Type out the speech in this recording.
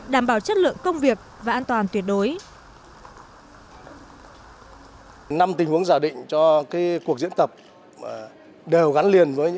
đảm bảo chất lượng công việc và an toàn tuyệt đối